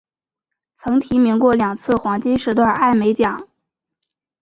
曾提名过两次黄金时段艾美奖。